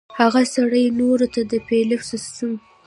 هغه سړے چې نورو ته د بيليف سسټم